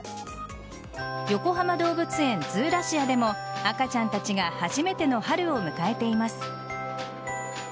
よこはま動物園ズーラシアでも赤ちゃんたちが初めての春を迎えています。